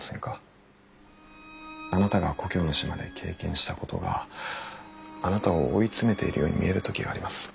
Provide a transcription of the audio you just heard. あなたが故郷の島で経験したことがあなたを追い詰めているように見える時があります。